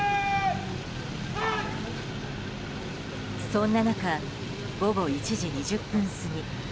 そんな中午後１時２０分過ぎ。